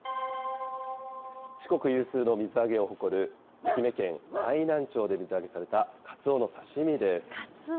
四国有数の水揚げを誇る愛媛県愛南町で水揚げされたカツオの刺身カツオ。